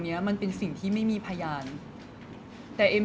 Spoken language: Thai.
ชีวิตกรรมเราไม่ค่อยจะดี